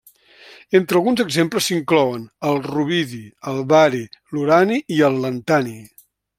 Entre alguns exemples s'inclouen: el rubidi, el bari, l'urani, i el lantani.